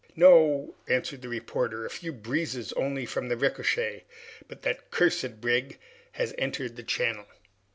"No," answered the reporter, "a few bruises only from the ricochet! But that cursed brig has entered the channel!"